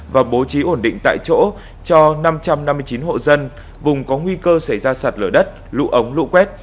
và bố trí ổn định tại chỗ cho năm trăm năm mươi nhân khẩu